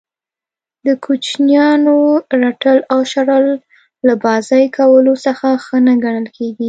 د کوچنیانو رټل او شړل له بازئ کولو څخه ښه نه ګڼل کیږي.